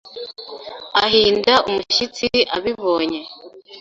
Ahinda umushyitsi abibonye